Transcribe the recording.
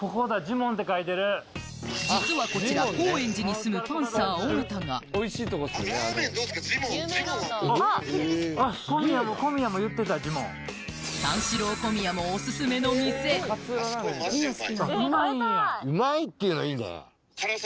実はこちら高円寺に住むパンサー・尾形が三四郎・小宮もうまいんやうまいっていうのいいね